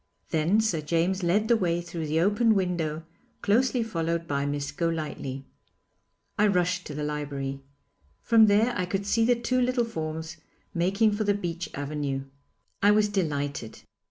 Then Sir James led the way through the open window, closely followed by Miss Golightly. I rushed to the library. From there I could see the two little forms making for the beech avenue. I was delighted.